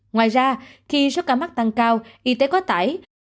ngoài ra khi số ca mắc tăng cao y tế quá tải